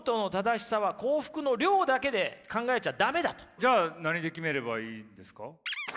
じゃあ何で決めればいいんですか？